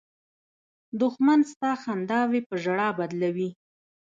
دښمن ستا خنداوې په ژړا بدلوي